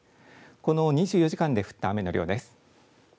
この２４時間で降った雨の量です。